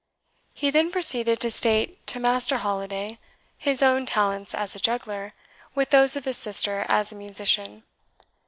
He then proceeded to state to Master Holiday his own talents as a juggler, with those of his sister as a musician.